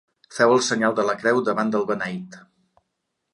Feu el senyal de la creu davant del beneit.